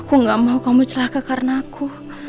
aku gak mau kamu celaka karena aku